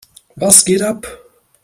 Was geht ab?